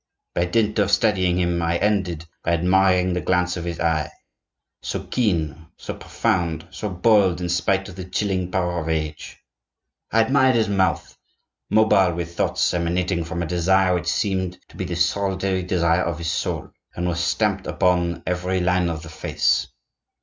By dint of studying him, I ended by admiring the glance of his eye,—so keen, so profound, so bold, in spite of the chilling power of age. I admired his mouth, mobile with thoughts emanating from a desire which seemed to be the solitary desire of his soul, and was stamped upon every line of the face.